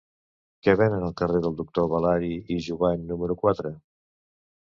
Què venen al carrer del Doctor Balari i Jovany número quatre?